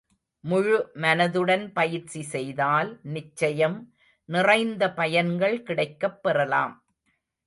முழு மனதுடன் பயிற்சி செய்தால், நிச்சயம் நிறைந்த பயன்கள் கிடைக்கப் பெறலாம்.